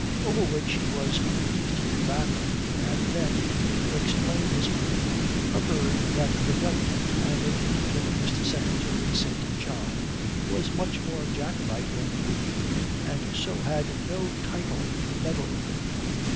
Over which he was pleased to laugh at me, and then, to explain his mirth, averred that the Government, and in particular Mr. Secretary St. John, was much more Jacobite than he, and so had no title to meddle with him.